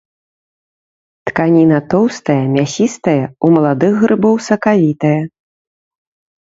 Тканіна тоўстая, мясістая, у маладых грыбоў сакавітая.